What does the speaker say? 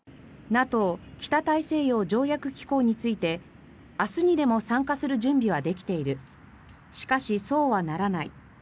ＮＡＴＯ・北大西洋条約機構について明日にでも参加する準備はできているしかし、そうはならない。